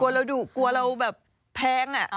กลัวเราดุกลัวเราแบบแพงอ่ะ